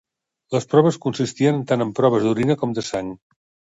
Les proves consistiren tant en proves d'orina com de sang.